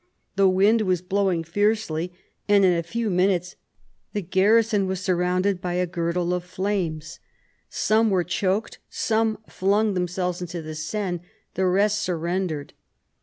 The wind was blowing fiercely, and in a few minutes the garrison was surrounded by a girdle of flames. Some were 76 PHILIP AUGUSTUS chap. choked, some flung themselves into the Seine, the rest surrendered.